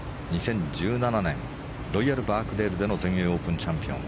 ２０１７年ロイヤル・バークデールでの全英オープンチャンピオン。